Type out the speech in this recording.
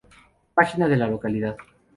Página de la localidad